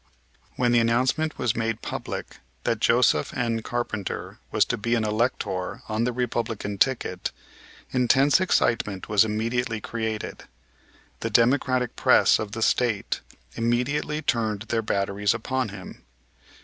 When the announcement was made public that Joseph N. Carpenter was to be an elector on the Republican ticket, intense excitement was immediately created. The Democratic press of the State immediately turned their batteries upon him.